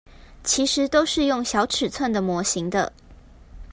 其實都是用小尺寸的模型的